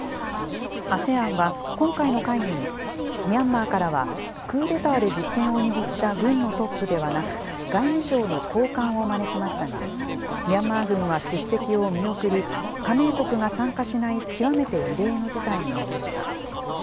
ＡＳＥＡＮは今回の会議に、ミャンマーからはクーデターで実権を握った軍のトップではなく、外務省の高官を招きましたが、ミャンマー軍は出席を見送り、加盟国が参加しない極めて異例の事態になりました。